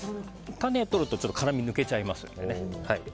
種を取ると辛みが抜けちゃいます。